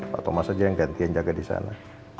pak thomas aja yang ganti yang jaga di sana